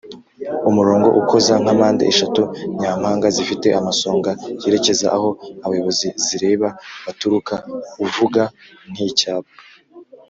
umurongo ukoze nkampande eshatu nyampanga zifite amasonga yerekeza aho abayobozi zireba baturuka uvuga nk’ icyicyapa